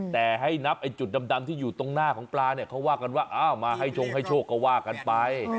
แต่ให้นับไอ้จุดดำที่อยู่ตรงหน้าของปลาเนี่ยเขาว่ากันว่าอ้าวมาให้ชงให้โชคก็ว่ากันไป